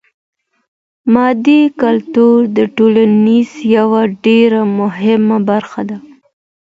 مادي کلتور د ټولني يوه ډېره مهمه برخه ده.